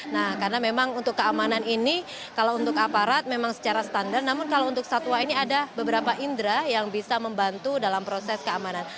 nah karena memang untuk keamanan ini kalau untuk aparat memang secara standar namun kalau untuk satwa ini ada beberapa indera yang bisa membantu dalam proses keamanan